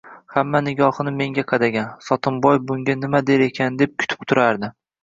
Hamma nigohini menga qadagan, Sotimboy bunga nima der ekan deb kutib turardi.